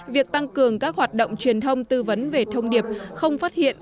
việc tăng cường các hoạt động truyền thông tư vấn về thông điệp không phát hiện